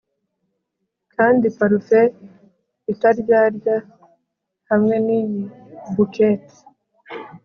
Kandi parufe itaryarya hamwe niyi bouquet